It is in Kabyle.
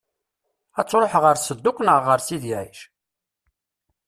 Ad tṛuḥ ɣer Sedduq neɣ ɣer Sidi Ɛic?